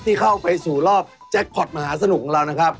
ที่เข้าไปสู่รอบแจ็คพอร์ตมหาสนุกของเรานะครับ